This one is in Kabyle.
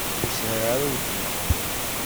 Ur sɛiɣ ara weltma.